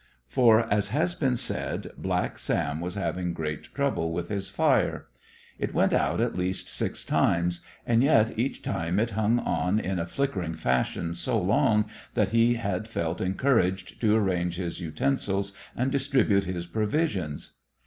For, as has been said, Black Sam was having great trouble with his fire. It went out at least six times, and yet each time it hung on in a flickering fashion so long that he had felt encouraged to arrange his utensils and distribute his provisions.